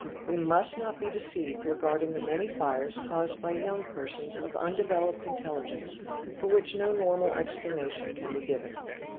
We must not be deceived regarding the many fires caused by young persons of undeveloped intelligence for which no normal explanation can be given.